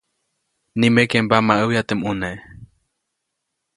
Nimeke mbamaʼäbya teʼ ʼmune.